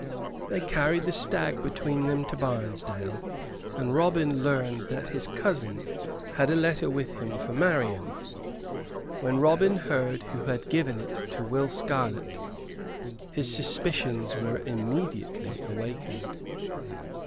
They carried the stag between them to Barnesdale; and Robin learned that his cousin had a letter with him for Marian. When Robin heard who had given it to Will Scarlett his suspicions were immediately awakened.